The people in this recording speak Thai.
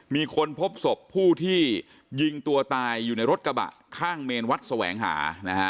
มีคนพบศพผู้ที่ยิงตัวตายอยู่ในรถกระบะข้างเมนวัดแสวงหานะฮะ